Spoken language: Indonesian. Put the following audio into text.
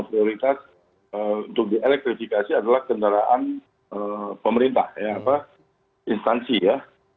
prioritas untuk dielektrifikasi adalah kendaraan pemerintah instansi ya